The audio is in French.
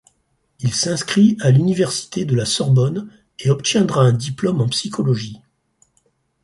Il s'inscrit à l'Université de la Sorbonne et obtiendra un diplôme en psychologie.